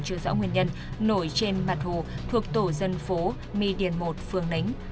chưa rõ nguyên nhân nổi trên mặt hồ thuộc tổ dân phố my điền một phương nánh